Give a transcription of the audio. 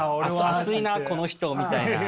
熱いなこの人みたいな。